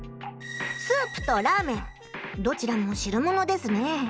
スープとラーメンどちらも汁ものですね。